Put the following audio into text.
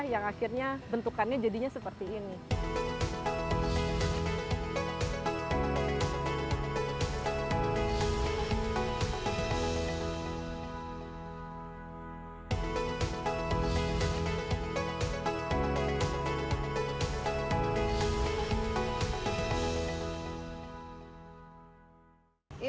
yang akhirnya bentukannya jadinya seperti ini